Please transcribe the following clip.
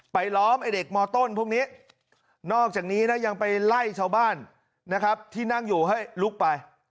ล้อมไอ้เด็กมต้นพวกนี้นอกจากนี้นะยังไปไล่ชาวบ้านนะครับที่นั่งอยู่ให้ลุกไป